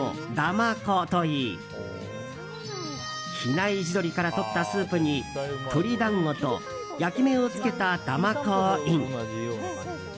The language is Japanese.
まこといい比内地鶏からとったスープに鶏団子と焼き目を付けただまこをイン。